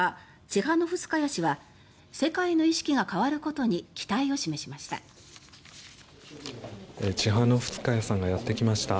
チハノフスカヤ氏は世界の意識が変わることに期待を示しました。